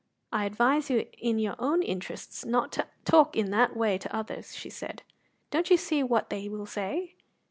"I advise you in your own interests not to talk in that way to others," she said. "Don't you see what they will say?"